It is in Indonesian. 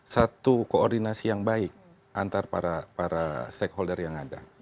satu koordinasi yang baik antara para stakeholder yang ada